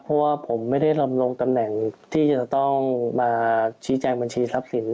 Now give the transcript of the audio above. เพราะว่าผมไม่ได้ลำลงตำแหน่งที่จะต้องมาชี้แจงบัญชีทรัพย์สิน